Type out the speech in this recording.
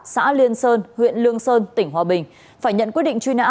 xã liên sơn huyện lương sơn tỉnh hòa bình phải nhận quyết định truy nã